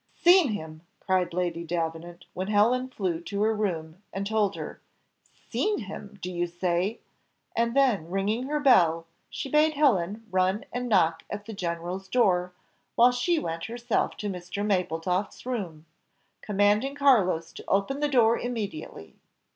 "Seen him!" cried Lady Davenant, when Helen flew to her room and told her; "seen him! do you say?" and then ringing her bell, she bade Helen run and knock at the general's door, while she went herself to Mr. Mapletofft's room, commanding Carlos to open the door immediately.